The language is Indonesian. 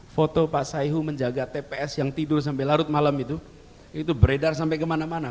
foto pak saihu menjaga tps yang tidur sampai larut malam itu itu beredar sampai kemana mana